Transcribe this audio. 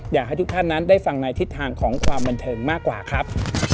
อยากให้ทุกท่านนั้นได้ฟังในทิศทางของความบันเทิงมากกว่าครับ